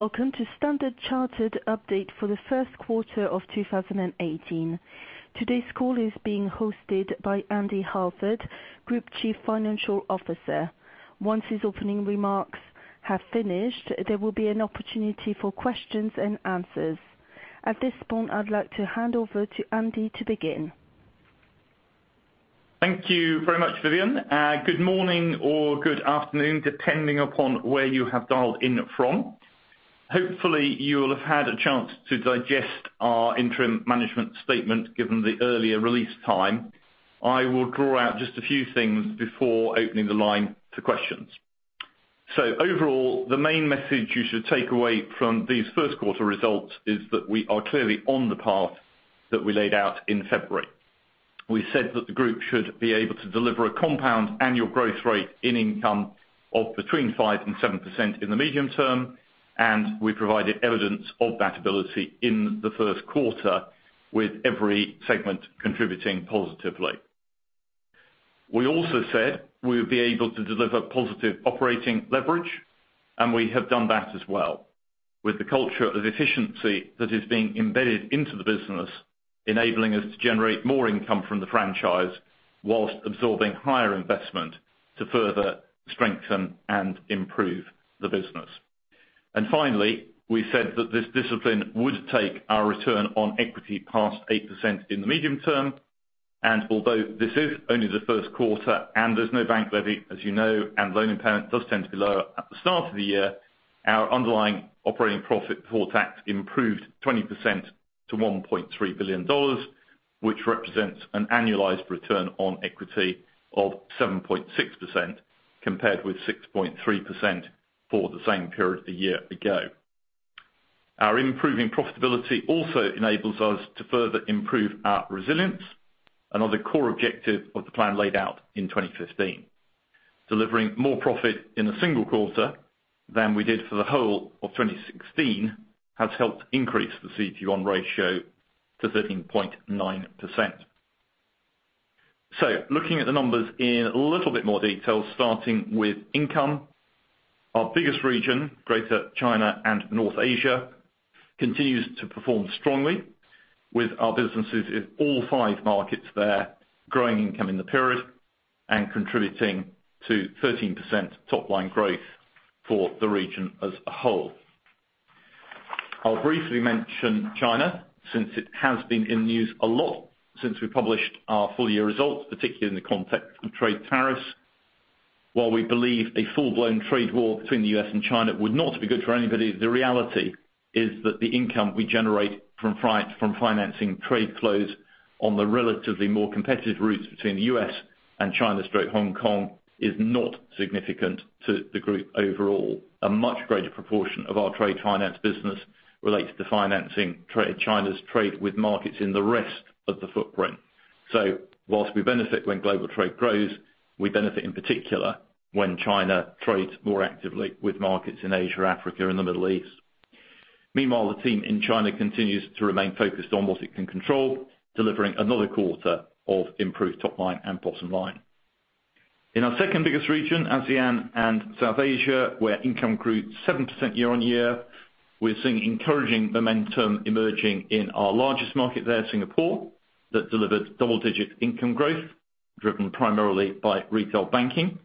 Welcome to Standard Chartered update for the first quarter of 2018. Today's call is being hosted by Andy Halford, Group Chief Financial Officer. Once his opening remarks have finished, there will be an opportunity for questions and answers. At this point, I'd like to hand over to Andy to begin. Thank you very much, Vivian. Good morning or good afternoon, depending upon where you have dialed in from. Hopefully, you'll have had a chance to digest our interim management statement, given the earlier release time. I will draw out just a few things before opening the line to questions. Overall, the main message you should take away from these first quarter results is that we are clearly on the path that we laid out in February. We said that the group should be able to deliver a compound annual growth rate in income of between 5% and 7% in the medium term, and we provided evidence of that ability in the first quarter, with every segment contributing positively. We also said we would be able to deliver positive operating leverage, and we have done that as well, with the culture of efficiency that is being embedded into the business, enabling us to generate more income from the franchise whilst absorbing higher investment to further strengthen and improve the business. Finally, we said that this discipline would take our return on equity past 8% in the medium term. Although this is only the first quarter and there's no bank levy, as you know, and loan impairment does tend to be lower at the start of the year, our underlying operating profit before tax improved 20% to $1.3 billion, which represents an annualized return on equity of 7.6%, compared with 6.3% for the same period a year ago. Our improving profitability also enables us to further improve our resilience, another core objective of the plan laid out in 2015. Delivering more profit in a single quarter than we did for the whole of 2016 has helped increase the CET1 ratio to 13.9%. Looking at the numbers in a little bit more detail, starting with income. Our biggest region, Greater China and North Asia, continues to perform strongly with our businesses in all five markets there, growing income in the period and contributing to 13% top-line growth for the region as a whole. I'll briefly mention China, since it has been in the news a lot since we published our full-year results, particularly in the context of trade tariffs. Whilst we believe a full-blown trade war between the U.S. and China would not be good for anybody, the reality is that the income we generate from financing trade flows on the relatively more competitive routes between the U.S. and China via Hong Kong is not significant to the group overall. A much greater proportion of our trade finance business relates to financing China's trade with markets in the rest of the footprint. Whilst we benefit when global trade grows, we benefit in particular when China trades more actively with markets in Asia, Africa, and the Middle East. Meanwhile, the team in China continues to remain focused on what it can control, delivering another quarter of improved top line and bottom line. In our second biggest region, ASEAN and South Asia, where income grew 7% year-on-year, we're seeing encouraging momentum emerging in our largest market there, Singapore, that delivered double-digit income growth driven primarily by retail banking.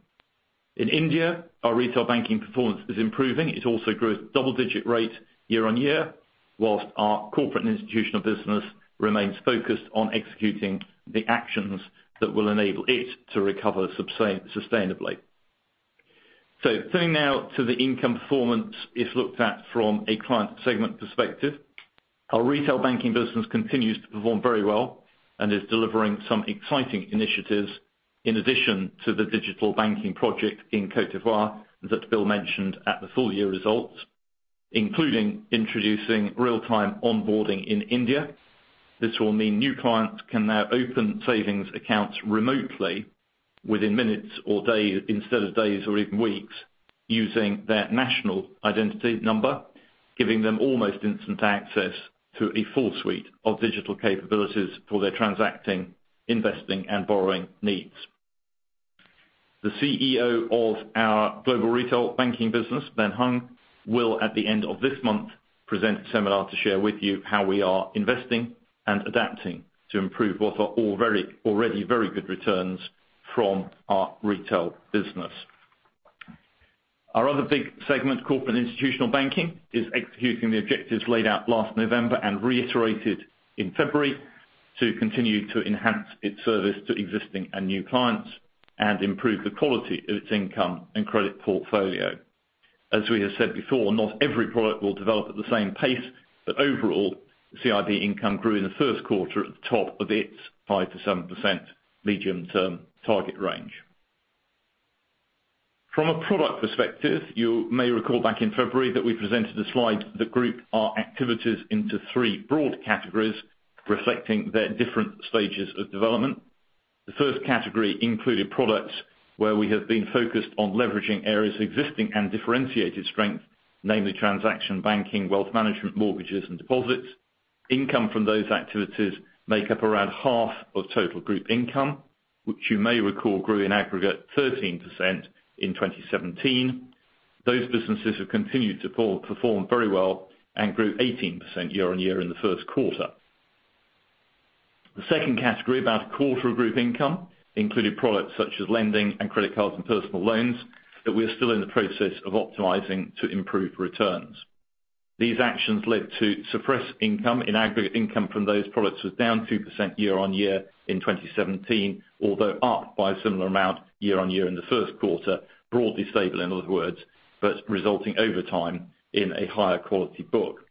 In India, our retail banking performance is improving. It also grew at double-digit rate year-on-year, whilst our corporate and institutional business remains focused on executing the actions that will enable it to recover sustainably. Turning now to the income performance, if looked at from a client segment perspective. Our retail banking business continues to perform very well and is delivering some exciting initiatives in addition to the digital banking project in Côte d'Ivoire that Bill mentioned at the full-year results, including introducing real-time onboarding in India. This will mean new clients can now open savings accounts remotely within minutes instead of days or even weeks, using their national identity number, giving them almost instant access to a full suite of digital capabilities for their transacting, investing, and borrowing needs. The CEO of our global retail banking business, Ben Hung, will, at the end of this month, present a seminar to share with you how we are investing and adapting to improve what are already very good returns from our retail business. Our other big segment, corporate and institutional banking, is executing the objectives laid out last November and reiterated in February to continue to enhance its service to existing and new clients and improve the quality of its income and credit portfolio. As we have said before, not every product will develop at the same pace. Overall, CIB income grew in the first quarter at the top of its 5%-7% medium-term target range. From a product perspective, you may recall back in February that we presented a slide that grouped our activities into 3 broad categories reflecting their different stages of development. The 1st category included products where we have been focused on leveraging areas of existing and differentiated strength, namely transaction banking, wealth management, mortgages, and deposits. Income from those activities make up around half of total group income, which you may recall grew in aggregate 13% in 2017. Those businesses have continued to perform very well and grew 18% year-on-year in the first quarter. The second category, about a quarter of group income, included products such as lending and credit cards and personal loans that we are still in the process of optimizing to improve returns. These actions led to suppressed income. In aggregate income from those products was down 2% year-on-year in 2017, although up by a similar amount year-on-year in the first quarter, broadly stable, in other words, but resulting over time, in a higher quality book.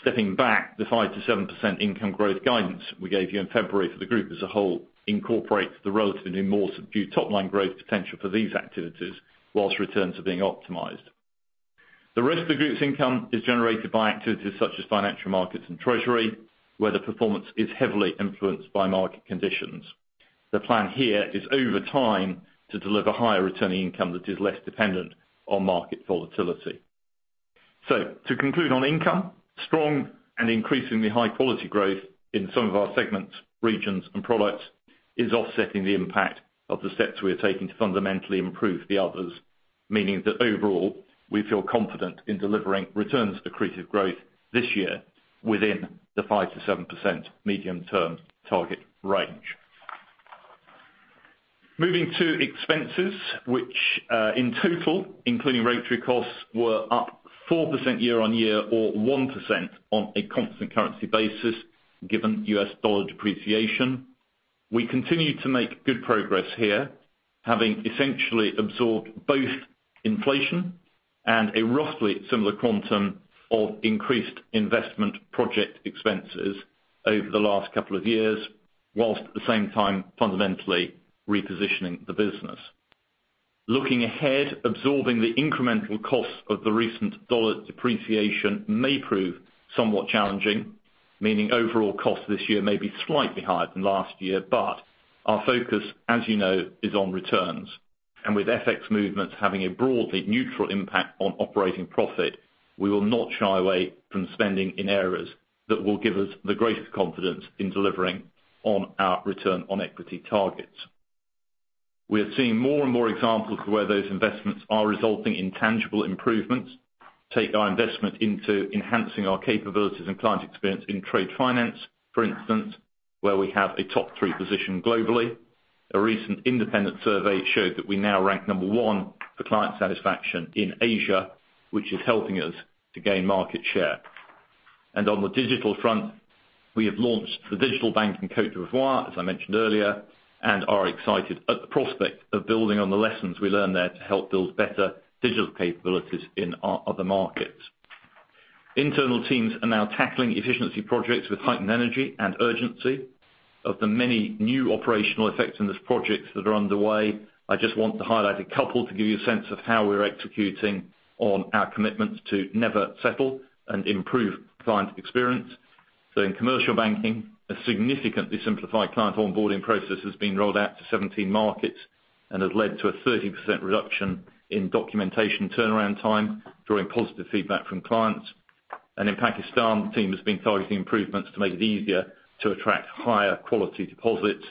Stepping back, the 5%-7% income growth guidance we gave you in February for the group as a whole incorporates the relatively more subdued top-line growth potential for these activities whilst returns are being optimized. The rest of the group's income is generated by activities such as financial markets and treasury, where the performance is heavily influenced by market conditions. To conclude on income, strong and increasingly high quality growth in some of our segments, regions, and products is offsetting the impact of the steps we are taking to fundamentally improve the others. Meaning that overall, we feel confident in delivering returns accretive growth this year within the 5%-7% medium-term target range. Moving to expenses, which in total, including regulatory costs, were up 4% year-on-year or 1% on a constant currency basis given US dollar depreciation. We continue to make good progress here, having essentially absorbed both inflation and a roughly similar quantum of increased investment project expenses over the last couple of years, whilst at the same time fundamentally repositioning the business. Looking ahead, absorbing the incremental cost of the recent dollar depreciation may prove somewhat challenging, meaning overall cost this year may be slightly higher than last year. Our focus, as you know, is on returns. With FX movements having a broadly neutral impact on operating profit, we will not shy away from spending in areas that will give us the greatest confidence in delivering on our return on equity targets. We are seeing more and more examples of where those investments are resulting in tangible improvements. Take our investment into enhancing our capabilities and client experience in trade finance, for instance, where we have a top three position globally. A recent independent survey showed that we now rank number 1 for client satisfaction in Asia, which is helping us to gain market share. On the digital front, we have launched the digital bank in Côte d'Ivoire, as I mentioned earlier, and are excited at the prospect of building on the lessons we learned there to help build better digital capabilities in our other markets. Internal teams are now tackling efficiency projects with heightened energy and urgency. Of the many new operational effectiveness projects that are underway, I just want to highlight a couple to give you a sense of how we're executing on our commitments to never settle and improve client experience. In commercial banking, a significantly simplified client onboarding process has been rolled out to 17 markets and has led to a 30% reduction in documentation turnaround time, drawing positive feedback from clients. In Pakistan, the team has been targeting improvements to make it easier to attract higher quality deposits.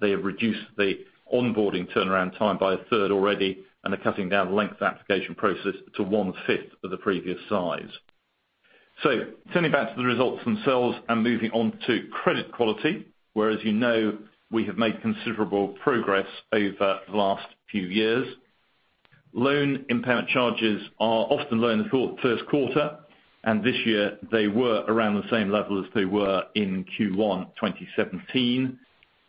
They have reduced the onboarding turnaround time by a third already and are cutting down the length of application process to one-fifth of the previous size. Turning back to the results themselves and moving on to credit quality, where as you know, we have made considerable progress over the last few years. Loan impairment charges are often low in the first quarter, and this year they were around the same level as they were in Q1 2017.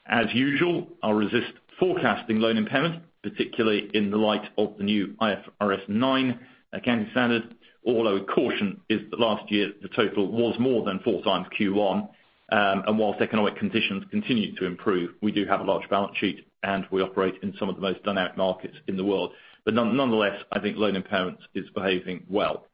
As usual, I'll resist forecasting loan impairment, particularly in the light of the new IFRS 9 accounting standard, although caution is that last year the total was more than four times Q1. Whilst economic conditions continue to improve, we do have a large balance sheet, and we operate in some of the most dynamic markets in the world. Nonetheless, I think loan impairment is behaving well.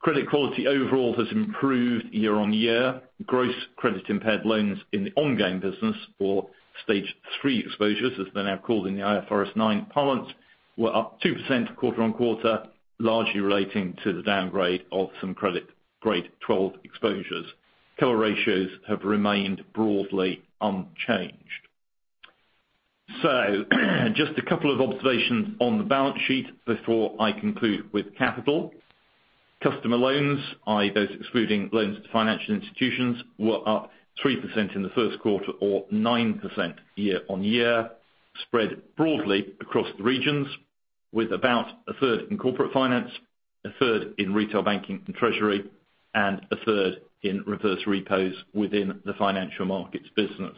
Credit quality overall has improved year-on-year. Gross credit impaired loans in the ongoing business or Stage 3 exposures, as they're now called in the IFRS 9 parlance, were up 2% quarter-on-quarter, largely relating to the downgrade of some credit grade 12 exposures. Cover ratios have remained broadly unchanged. Just a couple of observations on the balance sheet before I conclude with capital. Customer loans, i.e., those excluding loans to financial institutions, were up 3% in the first quarter or 9% year-on-year, spread broadly across the regions with about a third in corporate finance, a third in retail banking and treasury, and a third in reverse repos within the financial markets business.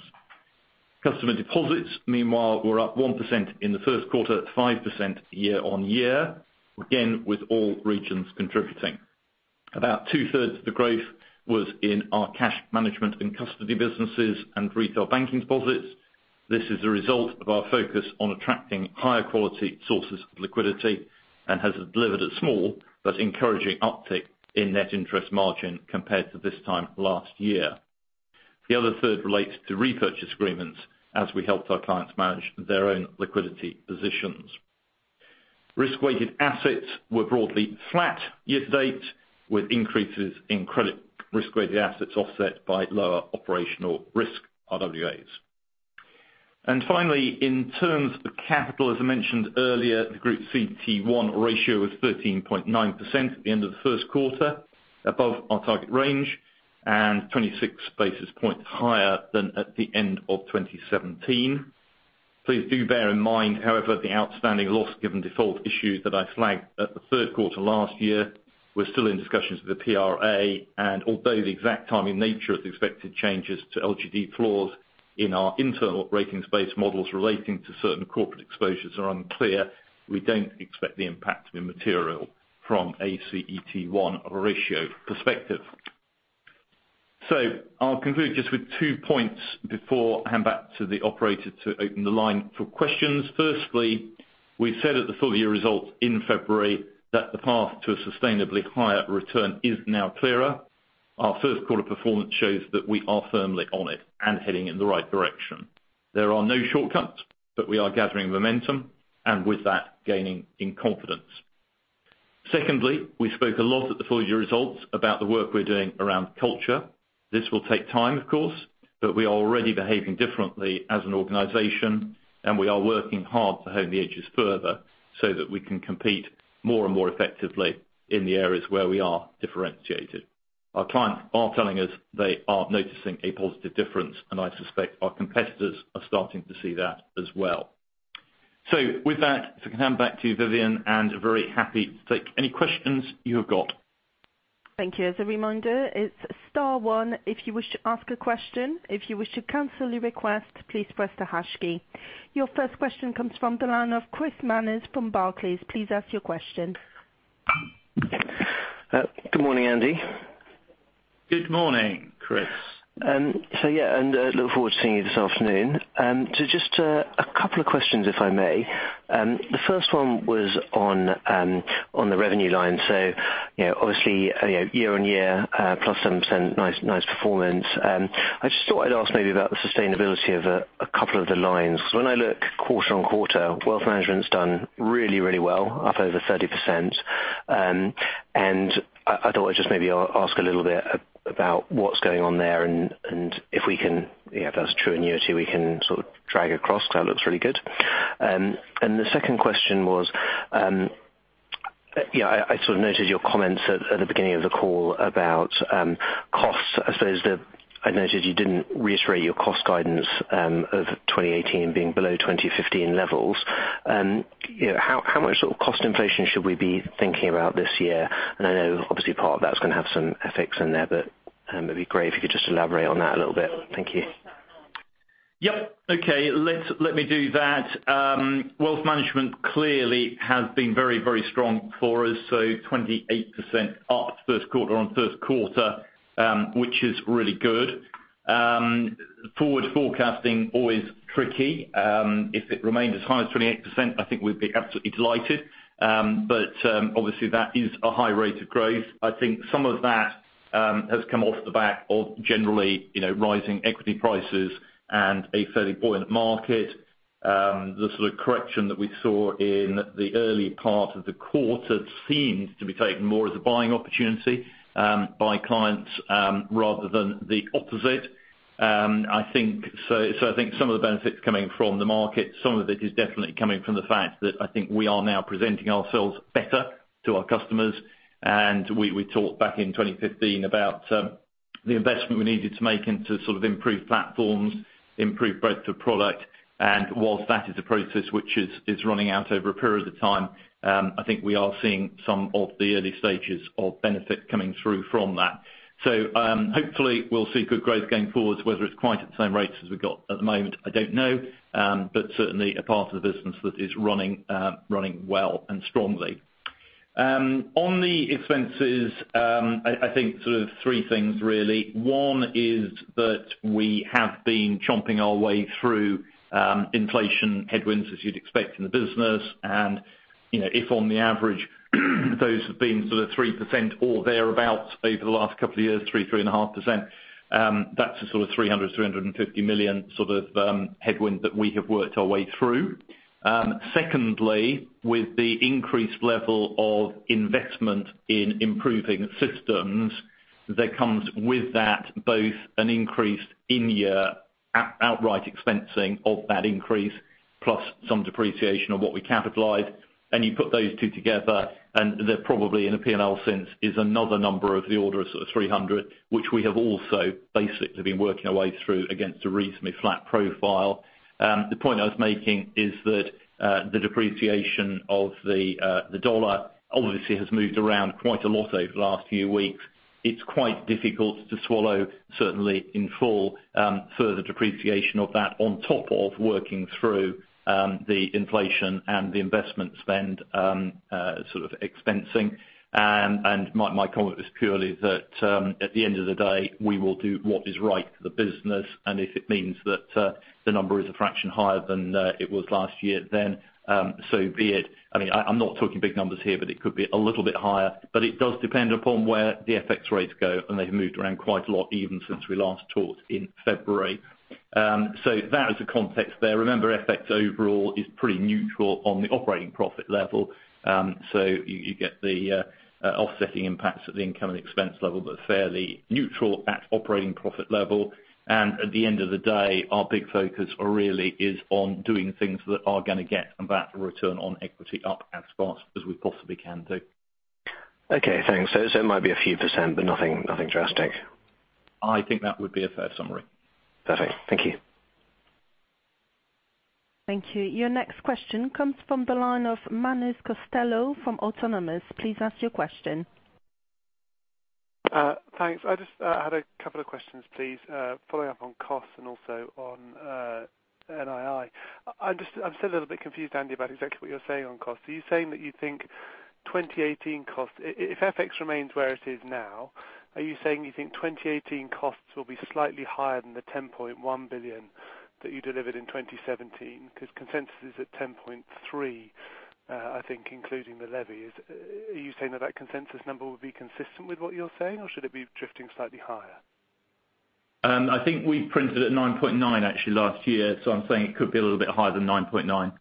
Customer deposits, meanwhile, were up 1% in the first quarter, at 5% year-on-year. Again, with all regions contributing. About two-thirds of the growth was in our cash management and custody businesses and retail banking deposits. This is a result of our focus on attracting higher quality sources of liquidity and has delivered a small but encouraging uptick in net interest margin compared to this time last year. The other third relates to repurchase agreements as we helped our clients manage their own liquidity positions. Risk-weighted assets were broadly flat year-to-date, with increases in credit Risk-Weighted Assets offset by lower operational risk RWAs. Finally, in terms of capital, as I mentioned earlier, the Group CET1 ratio was 13.9% at the end of the first quarter, above our target range, and 26 basis points higher than at the end of 2017. Please do bear in mind, however, the outstanding loss given default issues that I flagged at the third quarter last year. We're still in discussions with the PRA, and although the exact timing and nature of the expected changes to LGD floors in our internal ratings-based models relating to certain corporate exposures are unclear, we don't expect the impact to be material from a CET1 ratio perspective. I'll conclude just with two points before I hand back to the operator to open the line for questions. Firstly, we said at the full year results in February that the path to a sustainably higher return is now clearer. Our first quarter performance shows that we are firmly on it and heading in the right direction. There are no shortcuts, but we are gathering momentum and with that, gaining in confidence. Secondly, we spoke a lot at the full year results about the work we're doing around culture. This will take time, of course. We are already behaving differently as an organization. We are working hard to hone the edges further so that we can compete more and more effectively in the areas where we are differentiated. Our clients are telling us they are noticing a positive difference. I suspect our competitors are starting to see that as well. With that, if I can hand back to Vivian, and very happy to take any questions you have got. Thank you. As a reminder, it's star one if you wish to ask a question. If you wish to cancel your request, please press the hash key. Your first question comes from the line of Chris Manners from Barclays. Please ask your question. Good morning, Andy. Good morning, Chris. Yeah, and look forward to seeing you this afternoon. Just a couple of questions, if I may. The first one was on the revenue line. Obviously year-over-year, plus some %, nice performance. I just thought I'd ask maybe about the sustainability of a couple of the lines. Because when I look quarter-over-quarter, Wealth Management's done really well, up over 30%. I thought I'd just maybe ask a little bit about what's going on there and if that's true in year two, we can sort of drag across because that looks really good. The second question was, I sort of noted your comments at the beginning of the call about costs. I suppose I noted you didn't reiterate your cost guidance of 2018 being below 2015 levels. How much sort of cost inflation should we be thinking about this year? I know obviously part of that's going to have some FX in there, but it'd be great if you could just elaborate on that a little bit. Thank you. Yep. Okay. Let me do that. Wealth Management clearly has been very strong for us. 28% up first quarter-over-first quarter, which is really good. Forward forecasting is always tricky. If it remained as high as 28%, I think we'd be absolutely delighted. Obviously that is a high rate of growth. I think some of that has come off the back of generally rising equity prices and a fairly buoyant market. The sort of correction that we saw in the early part of the quarter seems to be taken more as a buying opportunity by clients rather than the opposite. I think some of the benefit's coming from the market. Some of it is definitely coming from the fact that I think we are now presenting ourselves better to our customers. We talked back in 2015 about the investment we needed to make into sort of improve platforms, improve breadth of product. Whilst that is a process which is running out over a period of time, I think we are seeing some of the early stages of benefit coming through from that. Hopefully we'll see good growth going forward. Whether it's quite at the same rates as we've got at the moment, I don't know. Certainly a part of the business that is running well and strongly. On the expenses, I think sort of three things really. One is that we have been chomping our way through inflation headwinds as you'd expect in the business. If on the average those have been sort of 3% or thereabout over the last couple of years, 3%, 3.5%, that's a sort of $300 million-$350 million sort of headwind that we have worked our way through. Secondly, with the increased level of investment in improving systems, there comes with that both an increase in year outright expensing of that increase, plus some depreciation of what we capitalized. You put those two together, and they're probably in a P&L sense is another number of the order of sort of $300 million, which we have also basically been working our way through against a reasonably flat profile. The point I was making is that the depreciation of the US dollar obviously has moved around quite a lot over the last few weeks. It's quite difficult to swallow, certainly in full, further depreciation of that on top of working through the inflation and the investment spend sort of expensing. My comment was purely that at the end of the day, we will do what is right for the business, and if it means that the number is a fraction higher than it was last year, then so be it. I mean, I'm not talking big numbers here, but it could be a little bit higher. It does depend upon where the FX rates go, and they've moved around quite a lot even since we last talked in February. That is the context there. Remember, FX overall is pretty neutral on the operating profit level. You get the offsetting impacts at the income and expense level, but fairly neutral at operating profit level. At the end of the day, our big focus really is on doing things that are going to get that return on equity up as fast as we possibly can do. Okay, thanks. It might be a few %, nothing drastic. I think that would be a fair summary. Perfect. Thank you. Thank you. Your next question comes from the line of Manus Costello from Autonomous. Please ask your question. Thanks. I just had a couple of questions, please. Following up on costs and also on NII. I am still a little bit confused, Andy, about exactly what you are saying on costs. Are you saying that you think 2018 costs If FX remains where it is now, are you saying you think 2018 costs will be slightly higher than the $10.1 billion that you delivered in 2017? Because consensus is at $10.3 billion, I think including the levy. Are you saying that that consensus number would be consistent with what you are saying, or should it be drifting slightly higher? I think we printed at 9.9 actually last year. I'm saying it could be a little bit higher than 9.9.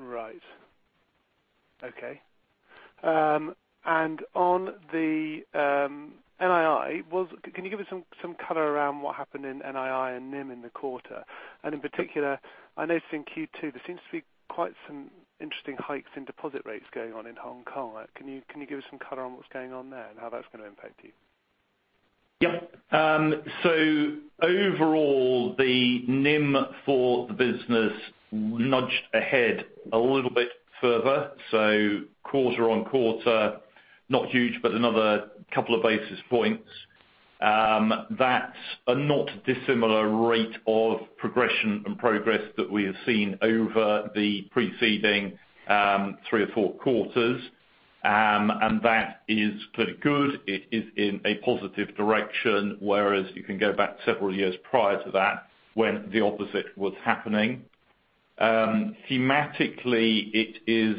Right. Okay. On the NII, can you give us some color around what happened in NII and NIM in the quarter? In particular, I noticed in Q2, there seems to be quite some interesting hikes in deposit rates going on in Hong Kong. Can you give us some color on what's going on there and how that's going to impact you? Yep. Overall, the NIM for the business nudged ahead a little bit further. Quarter on quarter, not huge, but another couple of basis points. That's a not dissimilar rate of progression and progress that we have seen over the preceding three or four quarters. That is pretty good. It is in a positive direction, whereas you can go back several years prior to that when the opposite was happening. Thematically, it is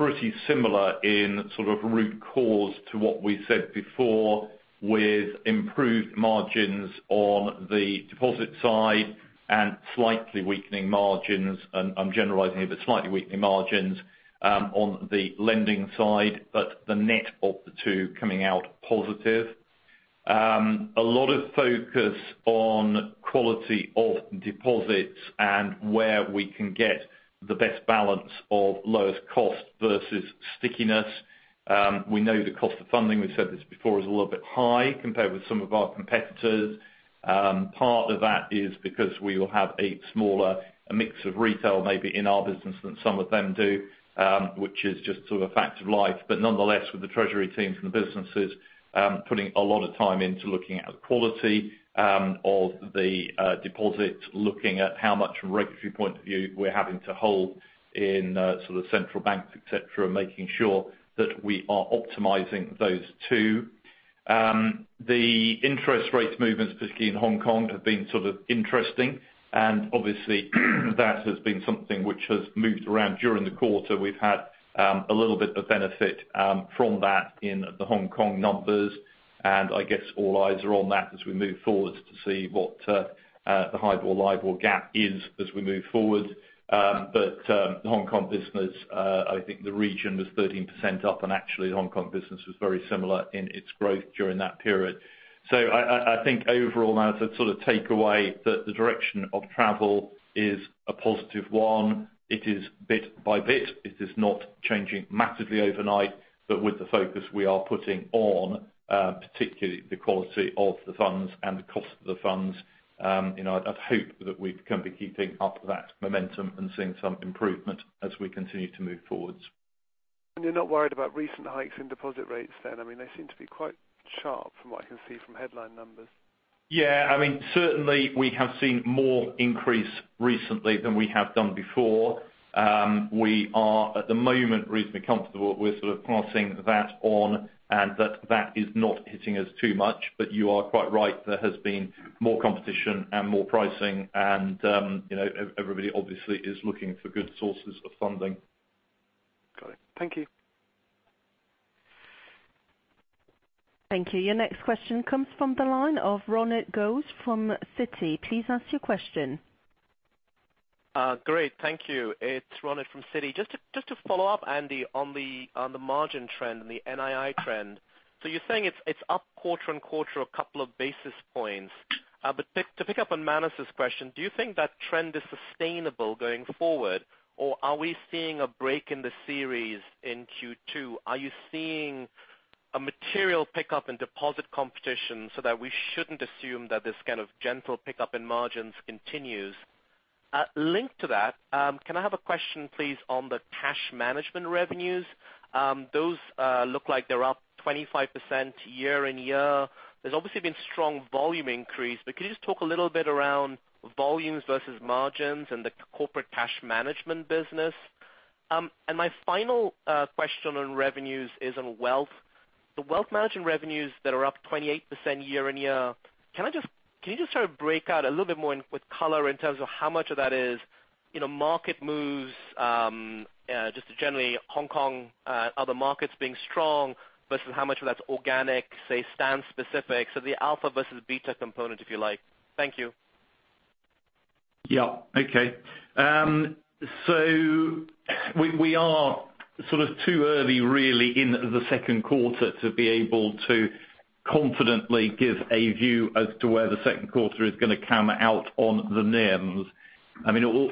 pretty similar in root cause to what we said before with improved margins on the deposit side and slightly weakening margins, and I'm generalizing here, but slightly weakening margins on the lending side. The net of the two coming out positive. A lot of focus on quality of deposits and where we can get the best balance of lowest cost versus stickiness. We know the cost of funding, we've said this before, is a little bit high compared with some of our competitors. Part of that is because we will have a smaller mix of retail maybe in our business than some of them do, which is just a fact of life. Nonetheless, with the treasury teams and the businesses putting a lot of time into looking at the quality of the deposit, looking at how much from a regulatory point of view we're having to hold in central banks, et cetera, making sure that we are optimizing those two. The interest rates movements, particularly in Hong Kong, have been interesting, and obviously that has been something which has moved around during the quarter. We've had a little bit of benefit from that in the Hong Kong numbers. I guess all eyes are on that as we move forward to see what the HIBOR-LIBOR gap is as we move forward. The Hong Kong business, I think the region was 13% up, actually the Hong Kong business was very similar in its growth during that period. I think overall, Manus, the takeaway that the direction of travel is a positive one. It is bit by bit. It is not changing massively overnight. With the focus we are putting on particularly the quality of the funds and the cost of the funds, I'd hope that we can be keeping up that momentum and seeing some improvement as we continue to move forwards. You're not worried about recent hikes in deposit rates then? They seem to be quite sharp from what I can see from headline numbers. Yeah. Certainly we have seen more increase recently than we have done before. We are at the moment reasonably comfortable with passing that on and that is not hitting us too much. You are quite right, there has been more competition and more pricing and everybody obviously is looking for good sources of funding. Got it. Thank you. Thank you. Your next question comes from the line of Ronit Ghose from Citi. Please ask your question. Great. Thank you. It's Ronit from Citi. Just to follow up, Andy, on the margin trend and the NII trend. You're saying it's up quarter-on-quarter a couple of basis points. To pick up on Manus' question, do you think that trend is sustainable going forward? Or are we seeing a break in the series in Q2? Are you seeing a material pickup in deposit competition so that we shouldn't assume that this kind of gentle pickup in margins continues? Linked to that, can I have a question, please, on the cash management revenues? Those look like they're up 25% year-on-year. There's obviously been strong volume increase, but can you just talk a little bit around volumes versus margins in the corporate cash management business? My final question on revenues is on wealth. The wealth management revenues that are up 28% year-on-year. Can you just break out a little bit more with color in terms of how much of that is market moves, just generally Hong Kong other markets being strong versus how much of that's organic, say, StanChart's specific? The alpha versus beta component, if you like. Thank you. Yeah. Okay. We are too early really in the second quarter to be able to confidently give a view as to where the second quarter is going to come out on the NIMs.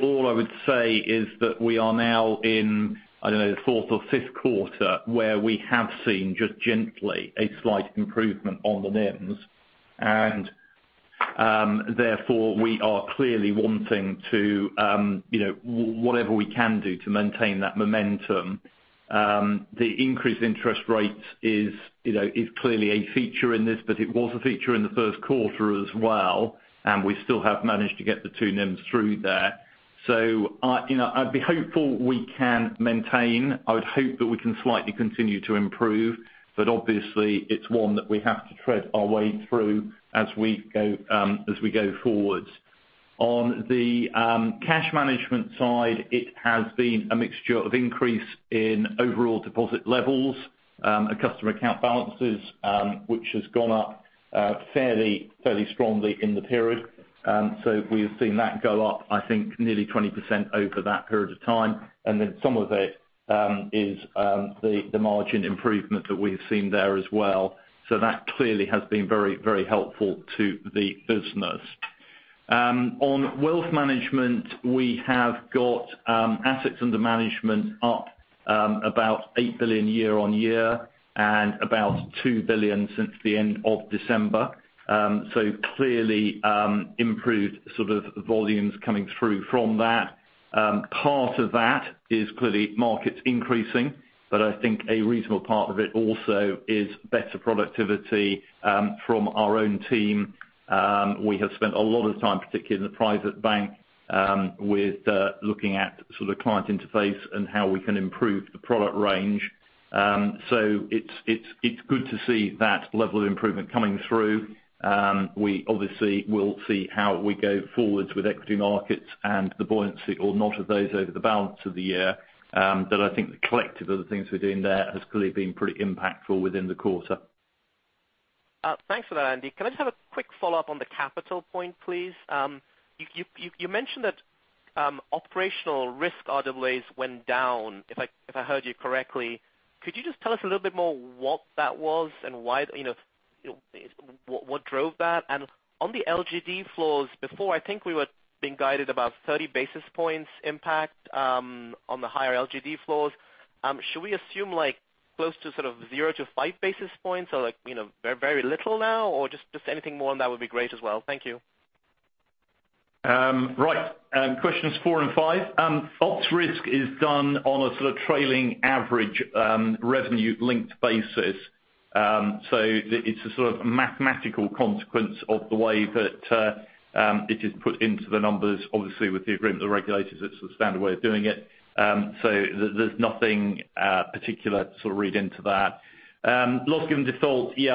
All I would say is that we are now in, I don't know, the fourth or fifth quarter where we have seen just gently a slight improvement on the NIMs. Therefore, we are clearly wanting to, whatever we can do to maintain that momentum. The increased interest rate is clearly a feature in this, it was a feature in the first quarter as well, and we still have managed to get the two NIMs through there. I'd be hopeful we can maintain. I would hope that we can slightly continue to improve, obviously it's one that we have to tread our way through as we go forwards. On the cash management side, it has been a mixture of increase in overall deposit levels, and customer account balances, which has gone up fairly strongly in the period. We've seen that go up, I think, nearly 20% over that period of time. Some of it is the margin improvement that we've seen there as well. That clearly has been very helpful to the business. On wealth management, we have got assets under management up about $8 billion year-on-year, and about $2 billion since the end of December. Clearly improved volumes coming through from that. Part of that is clearly markets increasing, but I think a reasonable part of it also is better productivity from our own team. We have spent a lot of time, particularly in the private bank, with looking at client interface and how we can improve the product range. It's good to see that level of improvement coming through. We obviously will see how we go forwards with equity markets and the buoyancy or not of those over the balance of the year. I think the collective of the things we're doing there has clearly been pretty impactful within the quarter. Thanks for that, Andy. Can I just have a quick follow-up on the capital point, please? You mentioned that operational risk RWA went down, if I heard you correctly. Could you just tell us a little bit more what that was and what drove that? On the LGD floors before, I think we were being guided about 30 basis points impact on the higher LGD floors. Should we assume close to 0 to 5 basis points or very little now? Just anything more on that would be great as well. Thank you. Right. Questions four and five. Ops risk is done on a trailing average revenue linked basis. It's a sort of mathematical consequence of the way that it is put into the numbers. Obviously, with the agreement of the regulators, it's the standard way of doing it. There's nothing particular to read into that. Loss given default. We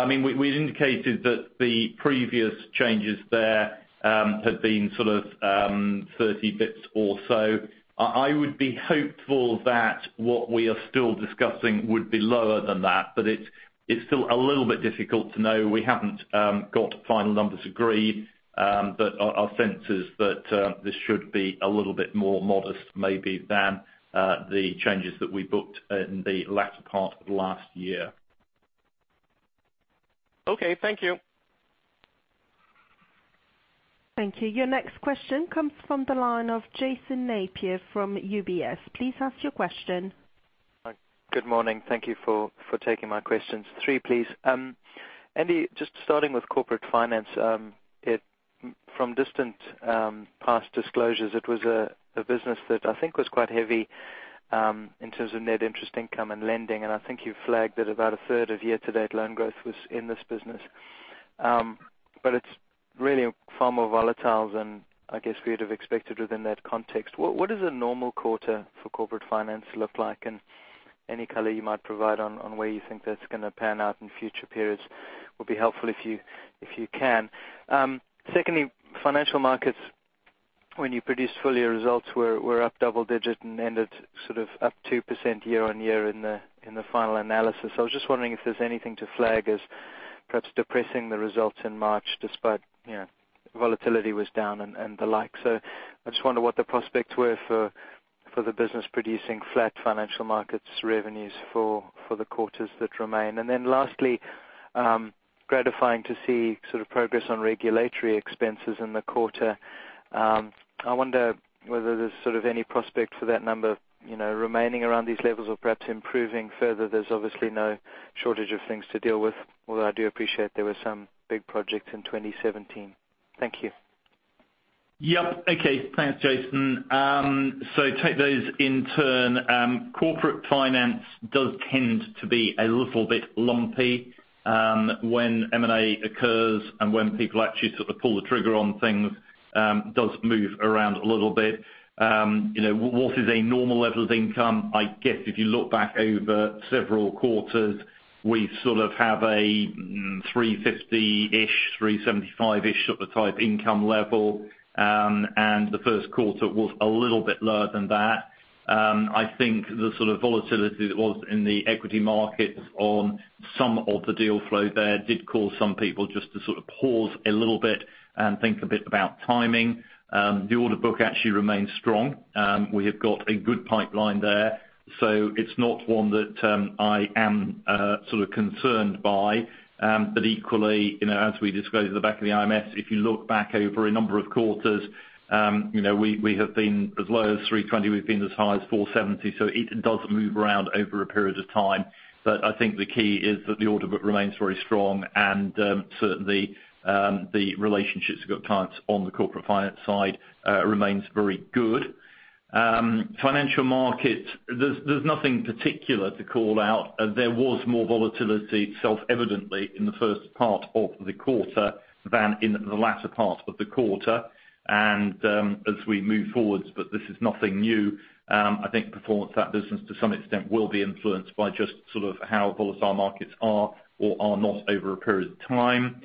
indicated that the previous changes there had been 30 basis points or so. I would be hopeful that what we are still discussing would be lower than that, but it's still a little bit difficult to know. We haven't got final numbers agreed. Our sense is that this should be a little bit more modest maybe than the changes that we booked in the latter part of last year. Okay, thank you. Thank you. Your next question comes from the line of Jason Napier from UBS. Please ask your question. Good morning. Thank you for taking my questions. Three, please. Andy, just starting with corporate finance. From distant past disclosures, it was a business that I think was quite heavy in terms of net interest income and lending, and I think you flagged it about a third of year-to-date loan growth was in this business. It's really far more volatile than I guess we would have expected within that context. What does a normal quarter for corporate finance look like? Any color you might provide on where you think that's going to pan out in future periods would be helpful if you can. Secondly, financial markets when you produce full year results were up double-digit and ended up 2% year-on-year in the final analysis. I was just wondering if there's anything to flag as perhaps depressing the results in March, despite volatility was down and the like. I just wonder what the prospects were for the business producing flat financial markets revenues for the quarters that remain. Lastly, gratifying to see progress on regulatory expenses in the quarter. I wonder whether there's any prospect for that number remaining around these levels or perhaps improving further. There's obviously no shortage of things to deal with, although I do appreciate there were some big projects in 2017. Thank you. Yep. Okay. Thanks, Jason. Take those in turn. Corporate finance does tend to be a little bit lumpy. When M&A occurs and when people actually pull the trigger on things, it does move around a little bit. What is a normal level of income? I guess if you look back over several quarters, we have a $350-ish, $375-ish type income level, and the first quarter was a little bit lower than that. I think the volatility that was in the equity markets on Some of the deal flow there did cause some people just to sort of pause a little bit and think a bit about timing. The order book actually remains strong. We have got a good pipeline there, it's not one that I am sort of concerned by. Equally, as we disclose at the back of the IMS, if you look back over a number of quarters, we have been as low as $320, we've been as high as $470, it does move around over a period of time. I think the key is that the order book remains very strong, and certainly, the relationships with clients on the corporate finance side remains very good. Financial markets, there's nothing particular to call out. There was more volatility self-evidently in the first part of the quarter than in the latter part of the quarter. As we move forwards, this is nothing new, I think performance of that business to some extent will be influenced by just sort of how volatile markets are or are not over a period of time.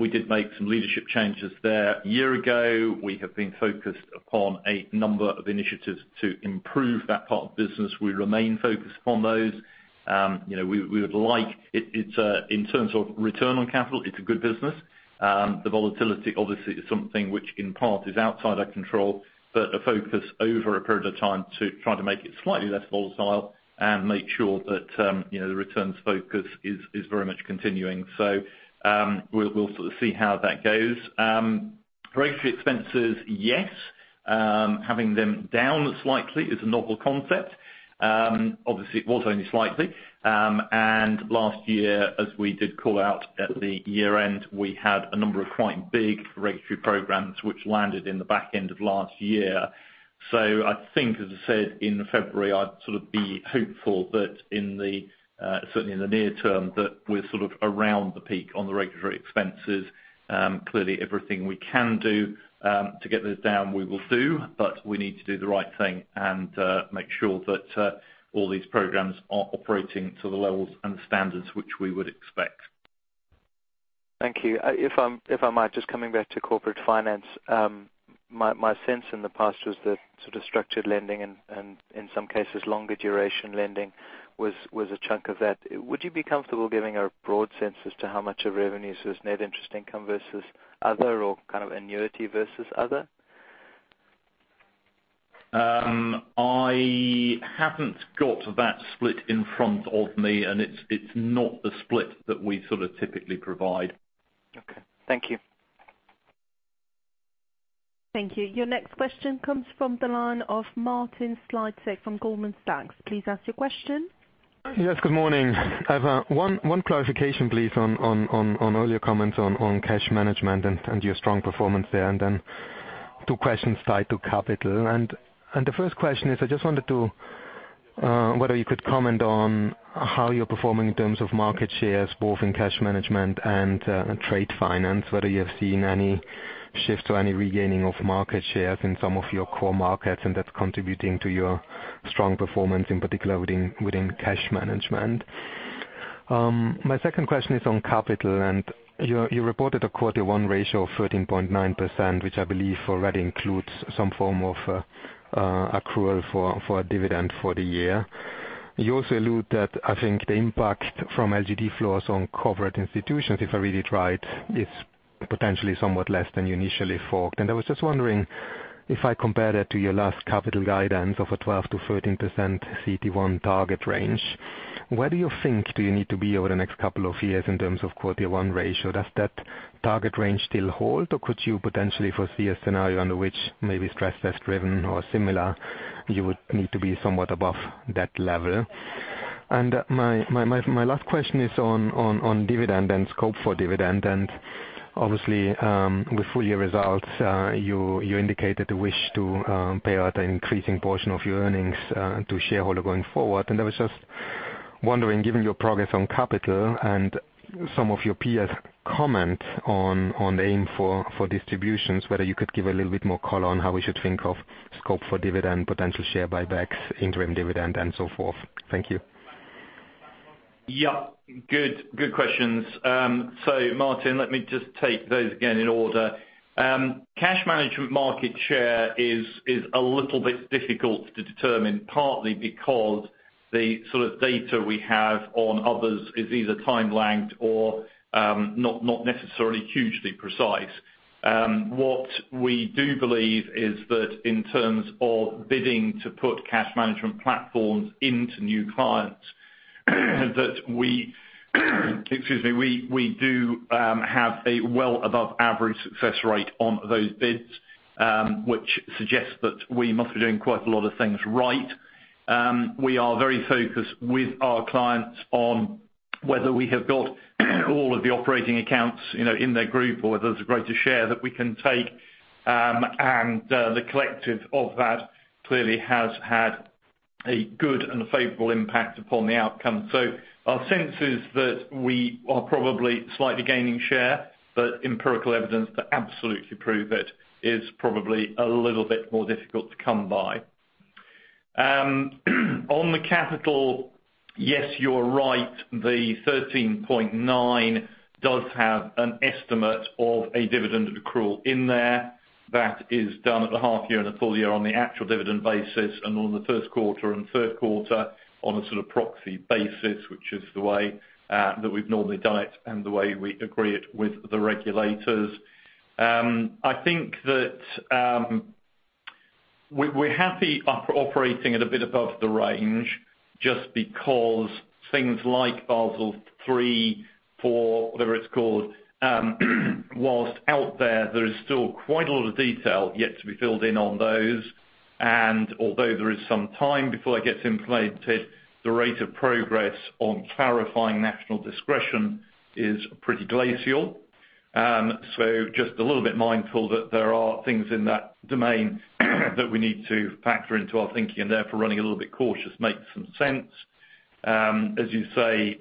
We did make some leadership changes there a year ago. We have been focused upon a number of initiatives to improve that part of the business. We remain focused on those. In terms of return on capital, it's a good business. The volatility obviously is something which in part is outside our control, but a focus over a period of time to try to make it slightly less volatile and make sure that the returns focus is very much continuing. We'll see how that goes. Regulatory expenses, yes. Having them down slightly is a novel concept. Obviously, it was only slightly. Last year, as we did call out at the year-end, we had a number of quite big regulatory programs which landed in the back end of last year. I think, as I said in February, I'd sort of be hopeful that certainly in the near term, that we're sort of around the peak on the regulatory expenses. Clearly everything we can do to get this down, we will do, we need to do the right thing and make sure that all these programs are operating to the levels and the standards which we would expect. Thank you. If I might, just coming back to corporate finance. My sense in the past was that sort of structured lending and in some cases longer duration lending was a chunk of that. Would you be comfortable giving a broad sense as to how much of revenues is net interest income versus other, or kind of annuity versus other? I haven't got that split in front of me, and it's not the split that we sort of typically provide. Okay. Thank you. Thank you. Your next question comes from the line of Martin Slightom from Goldman Sachs. Please ask your question. Yes, good morning. I have one clarification, please, on all your comments on cash management and your strong performance there, then two questions tied to capital. The first question is, I just wondered whether you could comment on how you're performing in terms of market shares, both in cash management and trade finance, whether you have seen any shift or any regaining of market shares in some of your core markets and that's contributing to your strong performance, in particular within cash management. My second question is on capital. You reported a quarter one ratio of 13.9%, which I believe already includes some form of accrual for a dividend for the year. You also allude that, I think, the impact from LGD floors on corporate institutions, if I read it right, is potentially somewhat less than you initially thought. I was just wondering if I compare that to your last capital guidance of a 12%-13% CET1 target range, where do you think do you need to be over the next couple of years in terms of quarter one ratio? Does that target range still hold, or could you potentially foresee a scenario under which maybe stress test driven or similar, you would need to be somewhat above that level? My last question is on dividend and scope for dividend. Obviously, with full year results, you indicated a wish to pay out an increasing portion of your earnings to shareholder going forward. I was just wondering, given your progress on capital and some of your peers' comment on aim for distributions, whether you could give a little bit more color on how we should think of scope for dividend, potential share buybacks, interim dividend, and so forth. Thank you. Yeah. Good questions. Martin, let me just take those again in order. Cash management market share is a little bit difficult to determine, partly because the sort of data we have on others is either time lagged or not necessarily hugely precise. What we do believe is that in terms of bidding to put cash management platforms into new clients, excuse me, we do have a well above average success rate on those bids, which suggests that we must be doing quite a lot of things right. We are very focused with our clients on whether we have got all of the operating accounts in their group or whether there's a greater share that we can take. The collective of that clearly has had a good and a favorable impact upon the outcome. Our sense is that we are probably slightly gaining share, but empirical evidence to absolutely prove it is probably a little bit more difficult to come by. On the capital, yes, you're right. The 13.9% does have an estimate of a dividend accrual in there that is done at the half year and the full year on the actual dividend basis, and on the first quarter and third quarter on a proxy basis, which is the way that we've normally done it and the way we agree it with the regulators. I think that we're happy operating at a bit above the range just because things like Basel III, Basel IV, whatever it's called, whilst out there is still quite a lot of detail yet to be filled in on those. Although there is some time before it gets implemented, the rate of progress on clarifying national discretion is pretty glacial. Just a little bit mindful that there are things in that domain that we need to factor into our thinking and therefore running a little bit cautious makes some sense. As you say,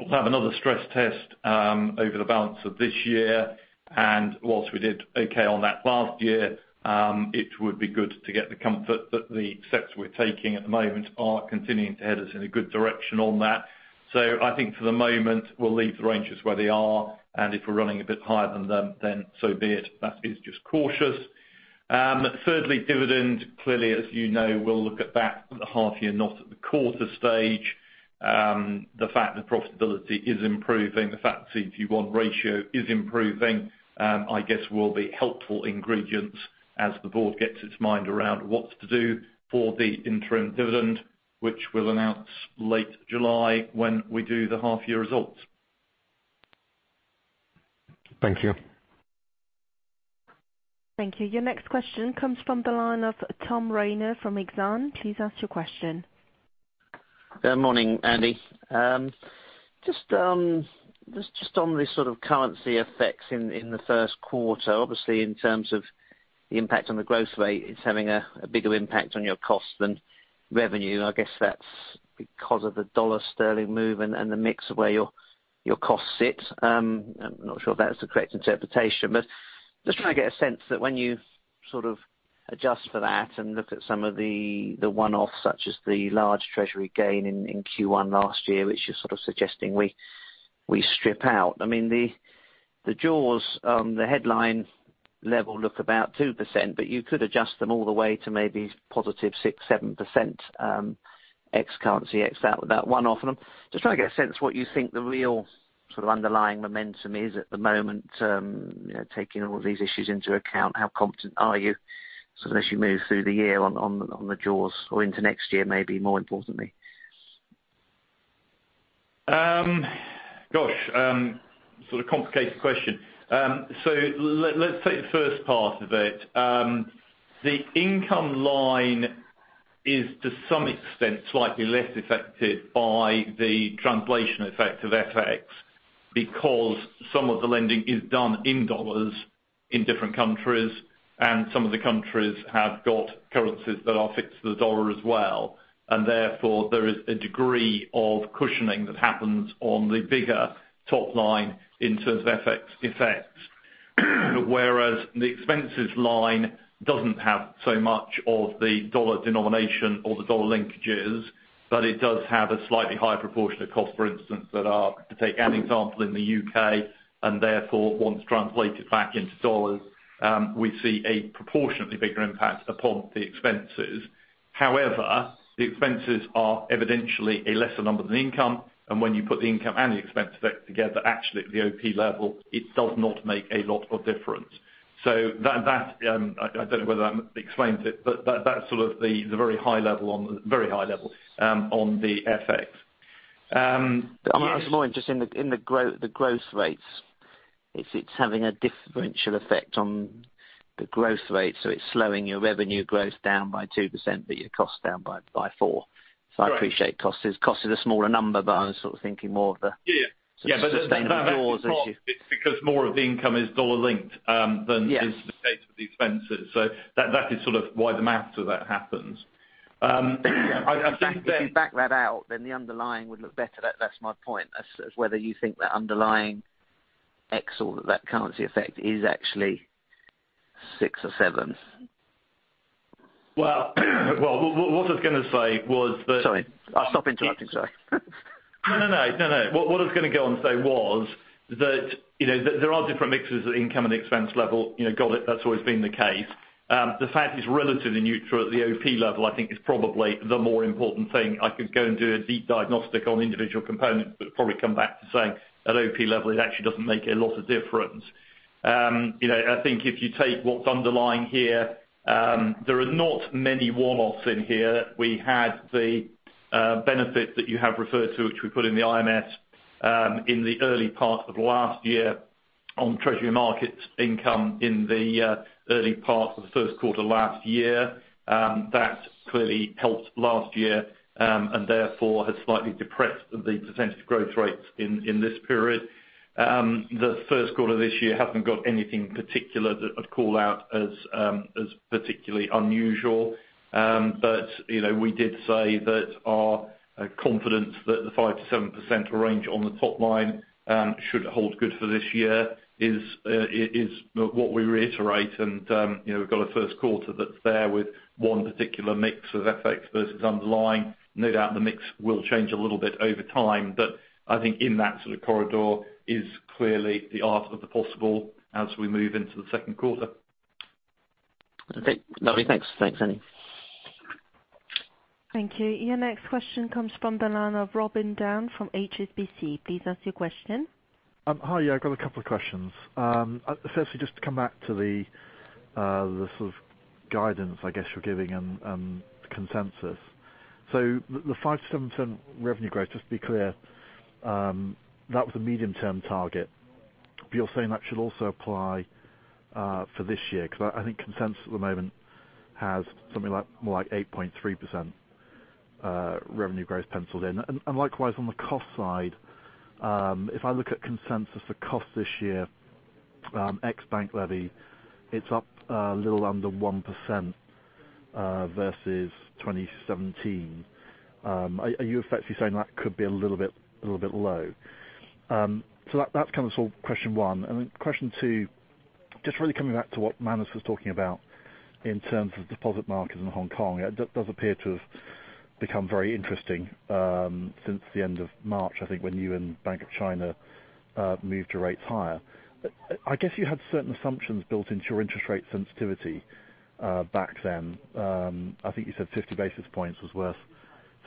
we'll have another stress test over the balance of this year, and whilst we did okay on that last year, it would be good to get the comfort that the steps we're taking at the moment are continuing to head us in a good direction on that. I think for the moment, we'll leave the ranges where they are, and if we're running a bit higher than them, then so be it. That is just cautious. Thirdly, dividend. Clearly, as you know, we'll look at that at the half year, not at the quarter stage. The fact that profitability is improving, the fact that CET1 ratio is improving, I guess will be helpful ingredients as the board gets its mind around what to do for the interim dividend, which we'll announce late July when we do the half year results. Thank you. Thank you. Your next question comes from the line of Tom Rayner from Exane. Please ask your question. Morning, Andy. Just on the sort of currency effects in the first quarter, obviously in terms of the impact on the growth rate, it's having a bigger impact on your cost than revenue. I guess that's because of the dollar-sterling move and the mix of where your costs sit. I'm not sure if that's the correct interpretation, but just trying to get a sense that when you sort of adjust for that and look at some of the one-offs, such as the large treasury gain in Q1 last year, which you're sort of suggesting we strip out. I mean, the jaws on the headline level look about 2%, but you could adjust them all the way to maybe positive 6%, 7%, ex-currency, ex-that one-off. I'm just trying to get a sense what you think the real sort of underlying momentum is at the moment, taking all these issues into account. How confident are you sort of as you move through the year on the jaws or into next year, maybe more importantly? Gosh, sort of complicated question. Let's take the first part of it. The income line is to some extent slightly less affected by the translation effect of FX because some of the lending is done in U.S. dollars in different countries, and some of the countries have got currencies that are fixed to the U.S. dollar as well. Therefore, there is a degree of cushioning that happens on the bigger top line in terms of FX effects. Whereas the expenses line doesn't have so much of the U.S. dollar denomination or the U.S. dollar linkages, but it does have a slightly higher proportion of cost, for instance, that are, to take an example in the U.K., and therefore, once translated back into U.S. dollars, we see a proportionately bigger impact upon the expenses. However, the expenses are evidentially a lesser number than the income. When you put the income and the expense effect together, actually at the OP level, it does not make a lot of difference. That, I don't know whether I explained it, but that's sort of the very high level on the FX. I'm more interested in the growth rates. It's having a differential effect on the growth rate, so it's slowing your revenue growth down by 2%, but your cost down by 4%. Right. I appreciate cost is a smaller number, but I was sort of thinking more of the. Yeah. That is because more of the income is dollar-linked than is the case with the expenses. That is sort of why the math of that happens. I think that. If you back that out, then the underlying would look better. That's my point, as whether you think that underlying X or that currency effect is actually six or seven. Well, what I was going to say was that. Sorry. I'll stop interrupting, sorry. No, what I was going to go on to say was that there are different mixes at the income and expense level. God, that's always been the case. The fact it's relatively neutral at the OP level, I think is probably the more important thing. I could go and do a deep diagnostic on individual components, but probably come back to saying at OP level, it actually doesn't make a lot of difference. I think if you take what's underlying here, there are not many one-offs in here. We had the benefit that you have referred to, which we put in the IMS, in the early part of last year on treasury markets income in the early part of the first quarter last year. That clearly helped last year, and therefore has slightly depressed the % growth rates in this period. The first quarter this year hasn't got anything particular that I'd call out as particularly unusual. We did say that our confidence that the 5%-7% range on the top line should hold good for this year is what we reiterate. We've got a first quarter that's there with one particular mix of FX versus underlying. No doubt the mix will change a little bit over time, but I think in that sort of corridor is clearly the art of the possible as we move into the second quarter. Okay. Lovely. Thanks, Andy. Thank you. Your next question comes from the line of Robin Down from HSBC. Please ask your question. Hi. I've got a couple of questions. Firstly, just to come back to the sort of guidance I guess you're giving and consensus. The 5%-7% revenue growth, just to be clear, that was a medium term target. You're saying that should also apply for this year? Because I think consensus at the moment has something more like 8.3% revenue growth penciled in. Likewise on the cost side, if I look at consensus for cost this year, ex bank levy, it's up a little under 1% versus 2017. Are you effectively saying that could be a little bit low? That's kind of question one. Then question two, just really coming back to what Manus was talking about in terms of deposit markets in Hong Kong. It does appear to have become very interesting since the end of March, I think, when you and Bank of China moved your rates higher. I guess you had certain assumptions built into your interest rate sensitivity back then. I think you said 50 basis points was worth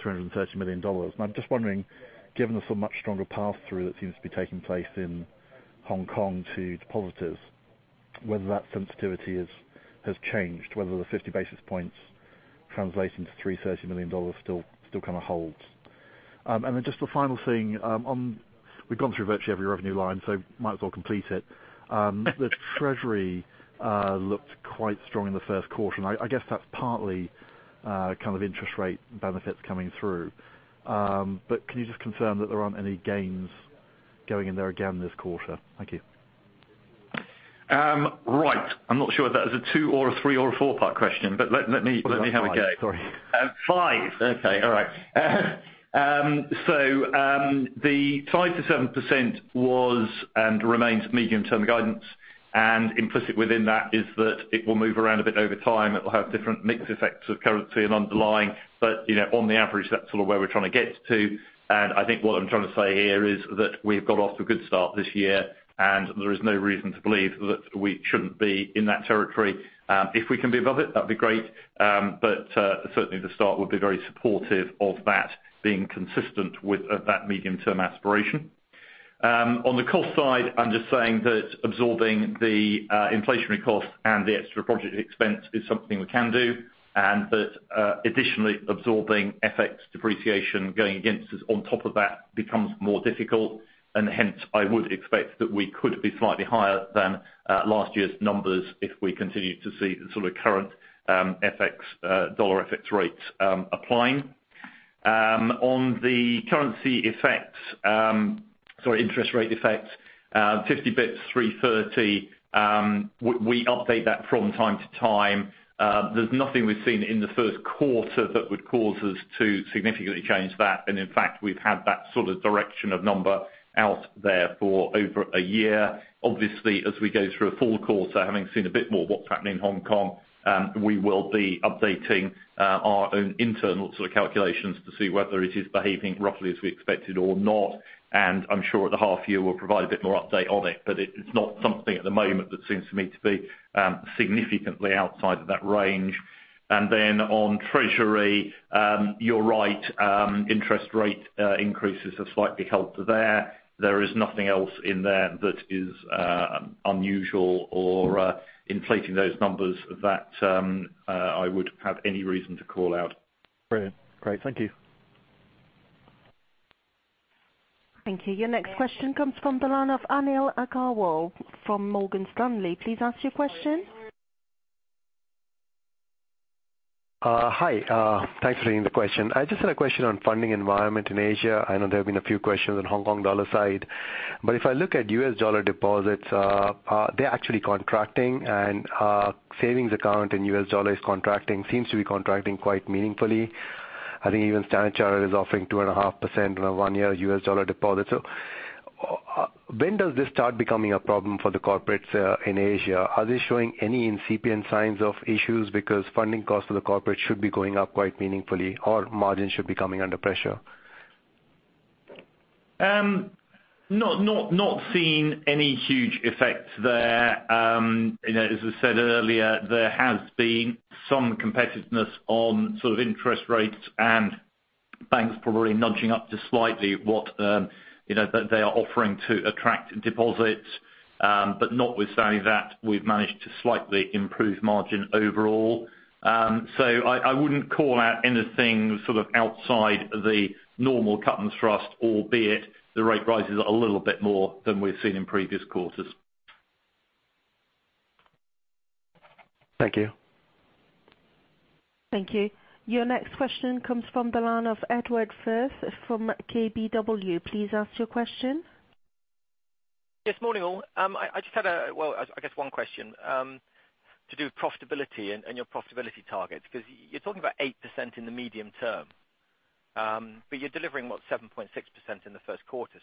$330 million. I'm just wondering, given the much stronger pass-through that seems to be taking place in Hong Kong to depositors, whether that sensitivity has changed, whether the 50 basis points translating to $330 million still kind of holds. Then just the final thing. We've gone through virtually every revenue line, so might as well complete it. The treasury looked quite strong in the first quarter, and I guess that's partly kind of interest rate benefits coming through. Can you just confirm that there aren't any gains going in there again this quarter? Thank you. Right. I'm not sure if that is a two or a three or a four-part question, let me have a go. Or five. Sorry. Five. Okay. All right. The 5%-7% was and remains medium-term guidance. Implicit within that is that it will move around a bit over time. It will have different mix effects of currency and underlying. On the average, that's sort of where we're trying to get to. I think what I'm trying to say here is that we've got off to a good start this year, and there is no reason to believe that we shouldn't be in that territory. If we can be above it, that'd be great. Certainly the start would be very supportive of that being consistent with that medium-term aspiration. On the cost side, I'm just saying that absorbing the inflationary cost and the extra project expense is something we can do. That additionally absorbing FX depreciation going against us on top of that becomes more difficult. Hence, I would expect that we could be slightly higher than last year's numbers if we continue to see the current dollar FX rates applying. The currency effects, sorry, interest rate effects, 50 basis points, 330, we update that from time to time. There's nothing we've seen in the first quarter that would cause us to significantly change that. In fact, we've had that sort of direction of number out there for over a year. Obviously, as we go through a full quarter, having seen a bit more what's happening in Hong Kong, we will be updating our own internal calculations to see whether it is behaving roughly as we expected or not. I'm sure at the half year we'll provide a bit more update on it. It's not something at the moment that seems to me to be significantly outside of that range. On treasury, you're right. Interest rate increases have slightly helped there. There is nothing else in there that is unusual or inflating those numbers that I would have any reason to call out. Brilliant. Great. Thank you. Thank you. Your next question comes from the line of Anil Agarwal from Morgan Stanley. Please ask your question. Hi. Thanks for taking the question. I just had a question on funding environment in Asia. I know there have been a few questions on Hong Kong dollar side. If I look at US dollar deposits they're actually contracting, and savings account in US dollar is contracting, seems to be contracting quite meaningfully. I think even Standard Chartered is offering 2.5% on a one-year US dollar deposit. When does this start becoming a problem for the corporate in Asia? Are they showing any incipient signs of issues? Funding costs for the corporate should be going up quite meaningfully, or margin should be coming under pressure. Not seen any huge effects there. As I said earlier, there has been some competitiveness on interest rates, and banks probably nudging up just slightly what they are offering to attract deposits. Notwithstanding that, we've managed to slightly improve margin overall. I wouldn't call out anything outside the normal cut and thrust, albeit the rate rises are a little bit more than we've seen in previous quarters. Thank you. Thank you. Your next question comes from the line of Edward Firth from KBW. Please ask your question. Yes. Morning, all. I just had, well, I guess one question to do with profitability and your profitability targets. You're talking about 8% in the medium term. You're delivering, what, 7.6% in the first quarter.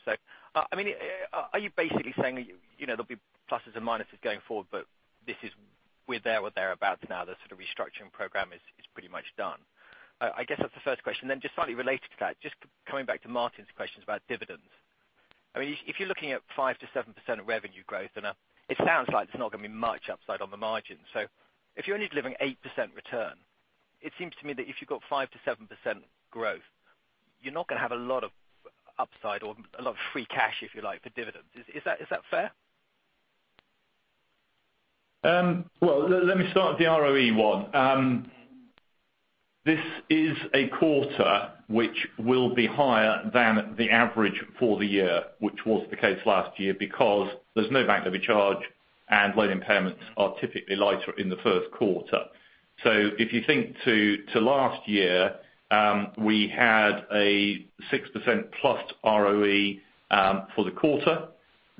Are you basically saying there'll be pluses and minuses going forward, but we're there or thereabouts now, the sort of restructuring program is pretty much done? I guess that's the first question. Just slightly related to that, just coming back to Martin's questions about dividends. If you're looking at 5%-7% of revenue growth, then it sounds like there's not going to be much upside on the margins. If you're only delivering 8% return, it seems to me that if you've got 5%-7% growth, you're not going to have a lot of upside or a lot of free cash, if you like, for dividends. Is that fair? Well, let me start with the ROE one. This is a quarter which will be higher than the average for the year, which was the case last year because there's no bank levy charge and loan impairments are typically lighter in the first quarter. If you think to last year, we had a 6% plus ROE for the quarter.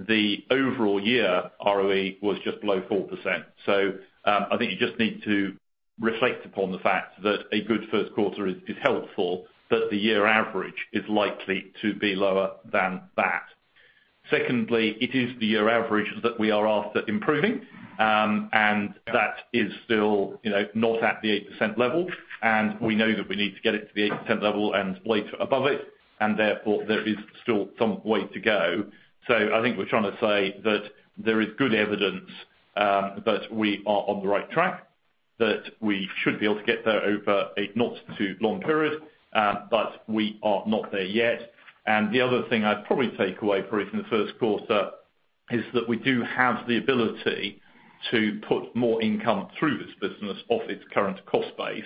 The overall year ROE was just below 4%. I think you just need to reflect upon the fact that a good first quarter is helpful, but the year average is likely to be lower than that. Secondly, it is the year average that we are after improving, and that is still not at the 8% level, and we know that we need to get it to the 8% level and later above it, and therefore there is still some way to go. I think we're trying to say that there is good evidence that we are on the right track, that we should be able to get there over a not too long period, but we are not there yet. The other thing I'd probably take away from the first quarter is that we do have the ability to put more income through this business off its current cost base,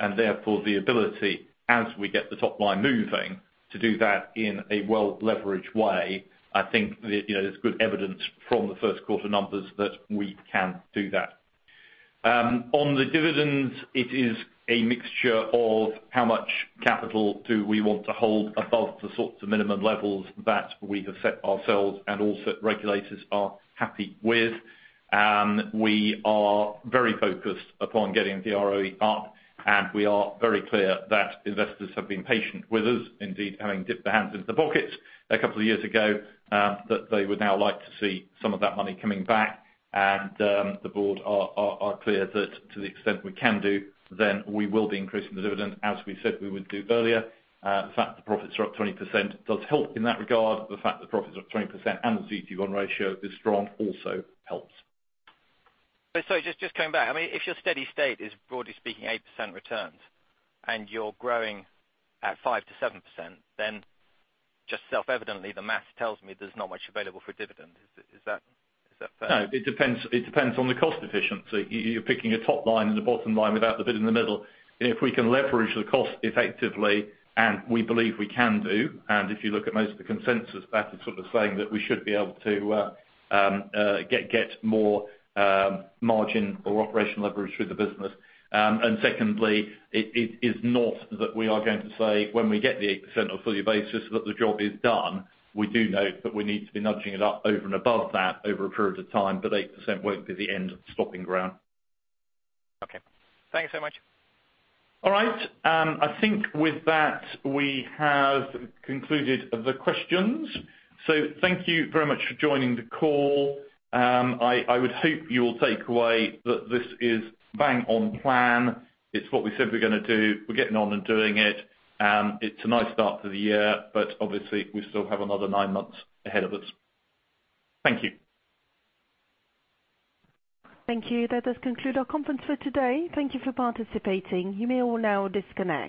and therefore the ability as we get the top line moving to do that in a well-leveraged way. I think there's good evidence from the first quarter numbers that we can do that. On the dividends, it is a mixture of how much capital do we want to hold above the sorts of minimum levels that we have set ourselves and also regulators are happy with. We are very focused upon getting the ROE up. We are very clear that investors have been patient with us, indeed, having dipped their hands into the pockets a couple of years ago, that they would now like to see some of that money coming back. The board are clear that to the extent we can do, then we will be increasing the dividend as we said we would do earlier. The fact the profits are up 20% does help in that regard. The fact the profits are up 20% and the CET1 ratio is strong also helps. Sorry, just coming back. If your steady state is, broadly speaking, 8% returns, and you're growing at 5%-7%, just self-evidently, the math tells me there's not much available for dividend. Is that fair? No, it depends on the cost efficiency. You're picking a top line and a bottom line without the bit in the middle. If we can leverage the cost effectively and we believe we can do, if you look at most of the consensus, that is sort of saying that we should be able to get more margin or operational leverage through the business. Secondly, it is not that we are going to say when we get the 8% on a full year basis that the job is done. We do know that we need to be nudging it up over and above that over a period of time, 8% won't be the end stopping ground. Okay. Thanks so much. All right. I think with that, we have concluded the questions. Thank you very much for joining the call. I would hope you will take away that this is bang on plan. It's what we said we're going to do. We're getting on and doing it. It's a nice start to the year, obviously we still have another nine months ahead of us. Thank you. Thank you. That does conclude our conference for today. Thank you for participating. You may all now disconnect.